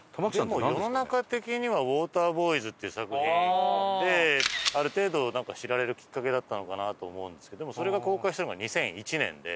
でも世の中的には『ウォーターボーイズ』っていう作品である程度知られるきっかけだったのかなと思うんですけどでもそれが公開したのが２００１年で。